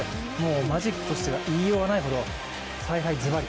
マジックとしか言いようがないほど、采配ズバリ。